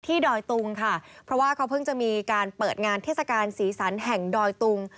ดอยตุงค่ะเพราะว่าเขาเพิ่งจะมีการเปิดงานเทศกาลสีสันแห่งดอยตุง